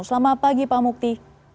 selamat pagi pak mukti